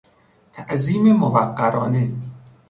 تعظیم موقرانه